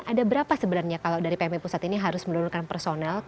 ada berapa sebenarnya kalau dari pmi pusat ini harus menurunkan personel